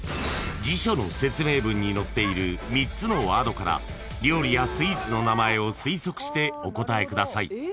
［辞書の説明文に載っている３つのワードから料理やスイーツの名前を推測してお答えください］